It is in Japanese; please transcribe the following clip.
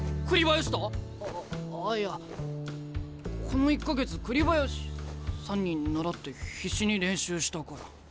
この１か月栗林さんにならって必死に練習したから。